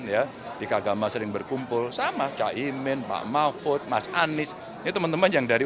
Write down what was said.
ya di kagama sering berkumpul sama caimin pak mahfud mas anies ini teman teman yang dari